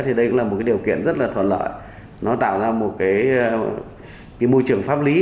thì đây cũng là một điều kiện rất là thuận lợi nó tạo ra một môi trường pháp lý